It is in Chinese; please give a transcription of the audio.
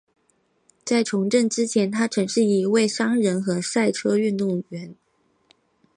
在从政之前他曾是一位商人和赛车运动员。